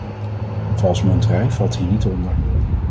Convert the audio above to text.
Valsemunterij valt hier niet onder.